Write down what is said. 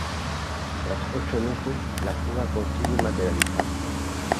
Tras ocho meses, la fuga consigue materializarse.